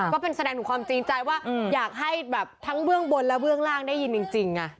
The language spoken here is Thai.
ก็เป็นแสดงถึงความจริงใจว่าอยากให้แบบทั้งเบื้องบนและเบื้องล่างได้ยินจริง